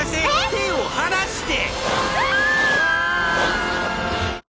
手を離して！